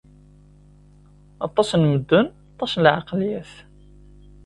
Aṭas n medden, aṭas n lɛeqleyyat.